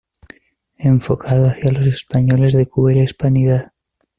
Enfocado hacia los españoles de Cuba y la Hispanidad.